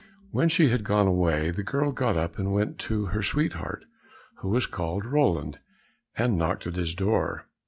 When she had gone away, the girl got up and went to her sweetheart, who was called Roland, and knocked at his door.